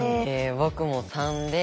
僕も３で。